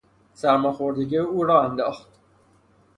سرماخوردگی او را انداخت.